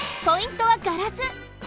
ポイントはガラス！